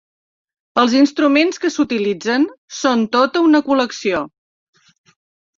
Els instruments que utilitzen són tota una col·lecció.